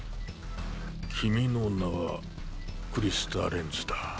君の名はクリスタ・レンズだ。